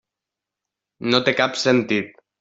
No té cap sentit.